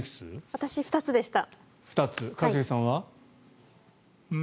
私、２つでした。